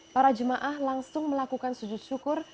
para jemaah langsung melakukan sujud syukur